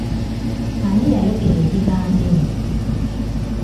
Ani yayogera ebigambo ebyo?